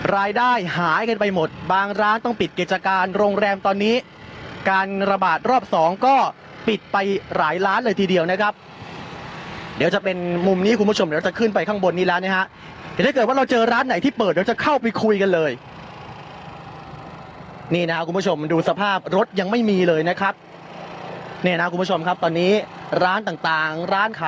รายได้หายกันไปหมดบางร้านต้องปิดกิจการโรงแรมตอนนี้การระบาดรอบสองก็ปิดไปหลายร้านเลยทีเดียวนะครับเดี๋ยวจะเป็นมุมนี้คุณผู้ชมเดี๋ยวจะขึ้นไปข้างบนนี้แล้วนะฮะเดี๋ยวถ้าเกิดว่าเราเจอร้านไหนที่เปิดเดี๋ยวจะเข้าไปคุยกันเลยนี่นะครับคุณผู้ชมดูสภาพรถยังไม่มีเลยนะครับเนี่ยนะคุณผู้ชมครับตอนนี้ร้านต่างร้านขาย